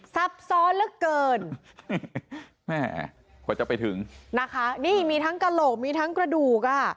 ซับซ้อนเหลือเกินแม่กว่าจะไปถึงนะคะนี่มีทั้งกระโหลกมีทั้งกระดูกอ่ะ